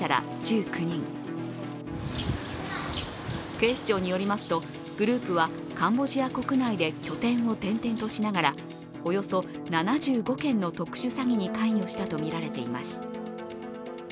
警視庁によりますとグループはカンボジア国内で拠点を転々としながらおよそ７５件の特殊詐欺に関与したとみられています。